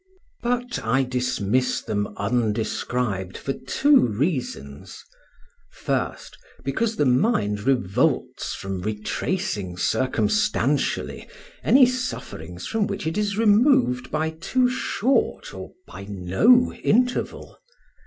But I dismiss them undescribed for two reasons: first, because the mind revolts from retracing circumstantially any sufferings from which it is removed by too short or by no interval.